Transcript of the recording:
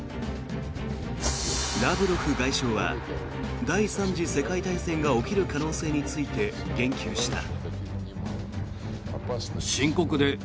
ラブロフ外相は第３次世界大戦が起きる可能性について言及した。